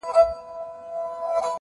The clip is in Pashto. • چي په خره پسي د اوښ کتار روان سي -